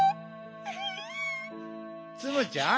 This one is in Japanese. ツムちゃん